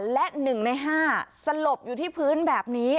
และหนึ่งในห้าสลบอยู่ที่พื้นแบบนี้